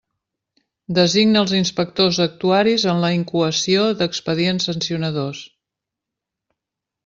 Designa els inspectors actuaris en la incoació d'expedients sancionadors.